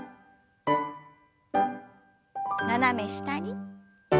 斜め下に。